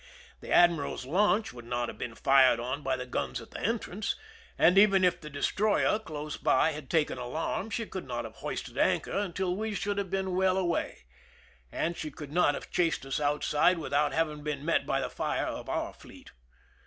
The ad miral's launch would not have been fired on by the guns at the entrance, and even if the destroyer close by had taken alarm, she could not have hoisted anchor until we should have been well away, and she could not have chased us outside without having been met by the fire of our fleet.